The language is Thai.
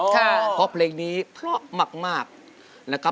เพราะเพลงนี้เพราะมาก